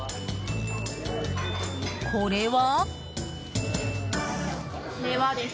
これは？